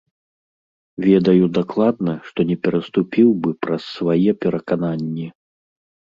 Ведаю дакладна, што не пераступіў бы праз свае перакананні.